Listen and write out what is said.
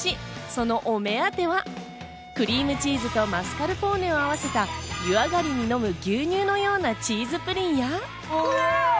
そのお目当てはクリームチーズとマスカルポーネを合わせた、湯上りに飲む牛乳のようなチーズプリンや。